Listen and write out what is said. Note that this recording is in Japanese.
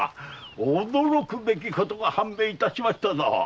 驚くべきことが判明しましたぞ！